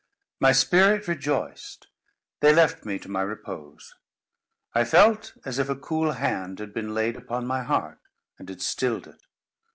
My spirit rejoiced. They left me to my repose. I felt as if a cool hand had been laid upon my heart, and had stilled it.